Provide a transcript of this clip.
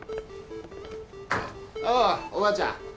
おおおばあちゃん。